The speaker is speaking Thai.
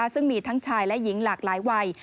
ซึ่งมีทั้งชายและหญิงหลากหลายวัย